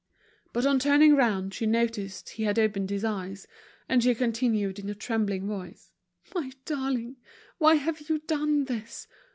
But on turning round, she noticed he had opened his eyes; and she continued in a trembling voice: "My darling, why have you done this?